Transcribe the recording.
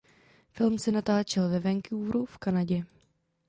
Film se natáčel ve Vancouveru v Kanadě.